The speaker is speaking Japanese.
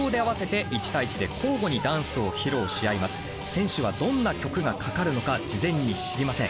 選手はどんな曲がかかるのか事前に知りません。